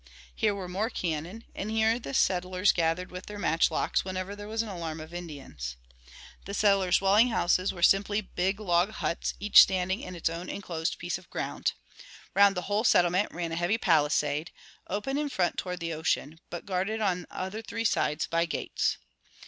Here were more cannon, and here the settlers gathered with their matchlocks whenever there was an alarm of Indians. The settlers' dwelling houses were simply big log huts, each standing in its own enclosed piece of ground. Round the whole settlement ran a heavy palisade, open in front towards the ocean, but guarded on the other three sides by gates.